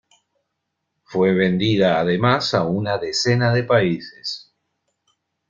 Fue vendida además a una decena de países.